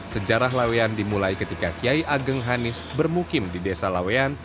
sejarah laweyan dimulai ketika kiai ageng hanis bermukim di desa lawean